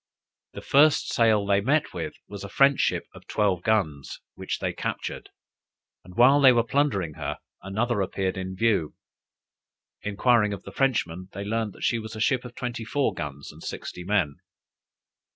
The first sail they met with was a French ship of twelve guns, which they captured; and while they were plundering her, another appeared in view. Enquiring of the Frenchmen, they learned that she was a ship of twenty four guns and sixty men.